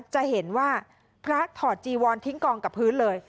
จะเห็นว่าพระถอดจีวอนทิ้งกองกับพื้นเลย